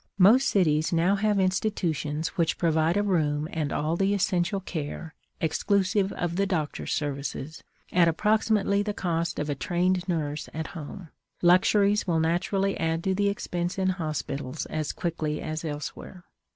Most cities now have institutions which provide a room and all the essential care, exclusive of the doctor's services, at approximately the cost of a trained nurse at home; luxuries will naturally add to the expense in hospitals as quickly as elsewhere.